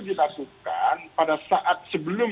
dilakukan pada saat sebelum